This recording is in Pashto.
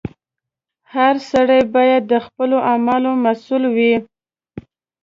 • هر سړی باید د خپلو اعمالو مسؤل وي.